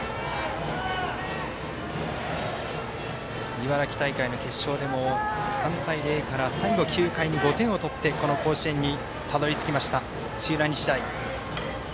茨城大会の決勝でも３対０から最後９回に５点を取ってこの甲子園に、たどり着きました土浦日大。